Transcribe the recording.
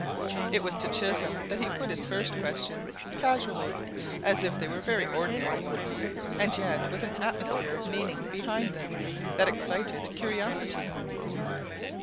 It was to Chisholm that he put his first questions casually, as if they were very ordinary ones, and yet with an atmosphere of meaning behind them that excited curiosity.